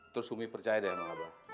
terus umi percaya deh sama abah